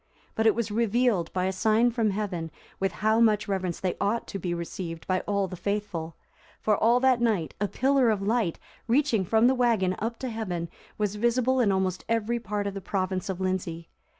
But it was revealed by a sign from Heaven with how much reverence they ought to be received by all the faithful; for all that night, a pillar of light, reaching from the wagon up to heaven, was visible in almost every part of the province of Lindsey.